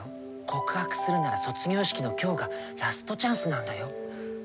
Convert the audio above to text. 告白するなら卒業式の今日がラストチャンスなんだよ！